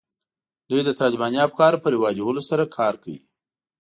دوی د طالباني افکارو په رواجولو سره کار کوي